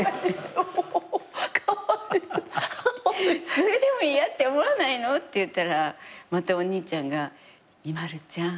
「それでも嫌って思わないの？」って言ったらまたお兄ちゃんが「ＩＭＡＬＵちゃん」